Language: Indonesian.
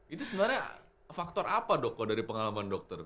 itu sebenarnya faktor apa dok kalau dari pengalaman dokter